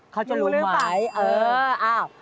เขาจะรู้ไหม